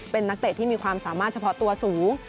เป็นนักเตะที่มีความสามารถเฉพาะตัวสูง